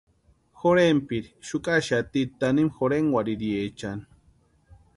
Jorhenpiri xukaaxati tanimu jorhenkwarhiriechani.